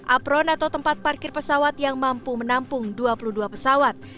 apron atau tempat parkir pesawat yang mampu menampung dua puluh dua pesawat